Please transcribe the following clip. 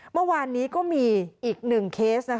เมื่อวานนี้ก็มีอีกหนึ่งเคส